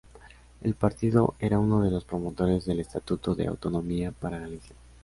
El partido era uno de los promotores del estatuto de autonomía para Galicia.